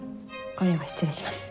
今夜は失礼します。